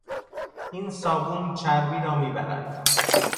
این صابون چربی را میبرد.